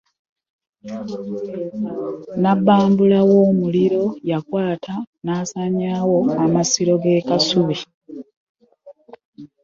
Nnabbambula w'omuliro yakwata era n'asaanyaawo amasiro g'ekasubi